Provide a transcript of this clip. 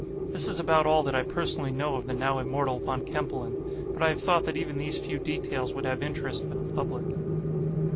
This is about all that I personally know of the now immortal Von Kempelen; but I have thought that even these few details would have interest for the public.